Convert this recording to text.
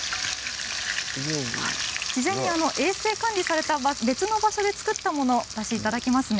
事前に衛生管理された別の場所で作ったものを私いただきますね。